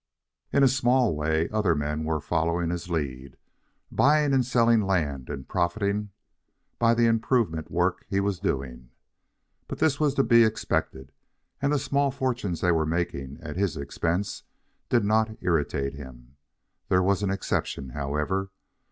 In a small way, other men were following his lead, buying and selling land and profiting by the improvement work he was doing. But this was to be expected, and the small fortunes they were making at his expense did not irritate him. There was an exception, however.